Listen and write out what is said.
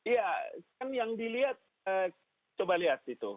ya kan yang dilihat coba lihat itu